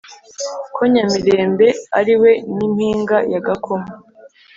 ko nyamirembe ari we n’impinga ya gakoma,